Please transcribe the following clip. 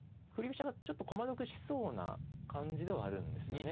飛車がちょっと駒得しそうな感じではあるんですよね。